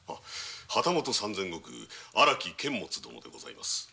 旗本三千石荒木監物殿でございます。